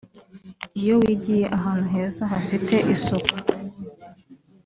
Iyo wigiye ahantu heza hafite isuku